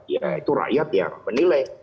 ya itu rakyat yang menilai